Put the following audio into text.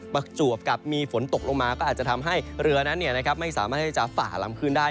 ประจวบกับมีฝนตกลงมาก็อาจจะทำให้เรือนั้นไม่สามารถที่จะฝ่าลำคืนได้